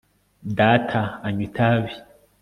data anywa itabi